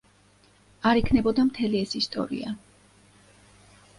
არ იქნებოდა მთელი ეს ისტორია.